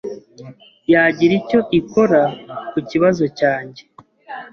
yagira icyo ikora ku kibazo cyanjye.